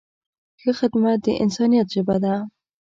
ښه خدمت د انسانیت ژبه ده.